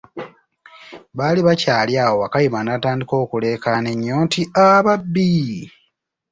Baali bakyali awo, Wakayima n'atandika okulekaana enyo nti, ababbi!